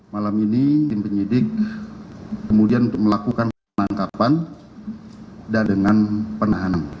malam ini tim penyidik kemudian untuk melakukan penangkapan dan dengan penahanan